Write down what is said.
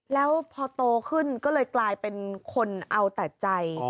แล้วพอโตขึ้นก็เลยกลายเป็นคนเอาแต่ใจ